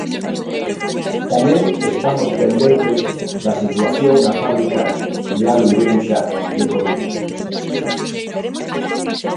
Tamén estamos pendentes da situación na fábrica de Alu Ibérica de Coruña.